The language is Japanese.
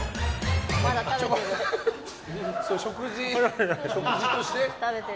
まだ食べてる。